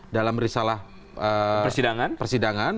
dalam risalah persidangan